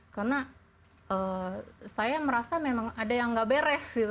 karena saya merasa memang ada yang tidak beres